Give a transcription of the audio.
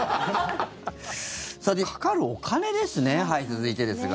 さて、かかるお金ですね続いてですが。